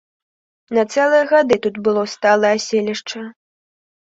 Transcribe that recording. На цэлыя гады тут было сталае аселішча.